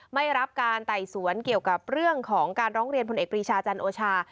ไม่รับการไต่สวนเกี่ยวกับเรื่องของการร้องเรียนพลเอกปรีชาจันโอชา